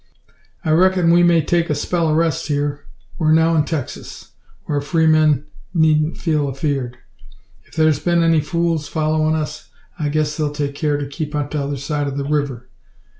I reckon we may take a spell o' rest here. We're now in Texas, whar freemen needn't feel afeard. If thar's been any fools followin' us, I guess they'll take care to keep on t'other side o' the river.